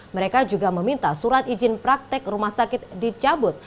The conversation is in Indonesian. mereka juga meminta surat izin praktek rumah sakit dicabut